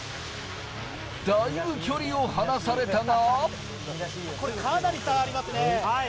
だいぶ距離を離されたが。